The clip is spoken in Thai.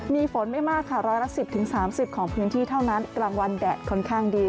มีฝนไม่มากค่ะร้อยละ๑๐๓๐ของพื้นที่เท่านั้นกลางวันแดดค่อนข้างดี